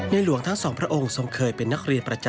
ในหลวงทั้งสองพระองค์ทั้งสองพระองค์ทั้งสองพระองค์